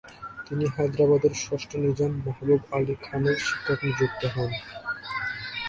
তিনি হায়দ্রাবাদের ষষ্ঠ নিজাম মাহবুব আলী খানের শিক্ষক নিযুক্ত হন।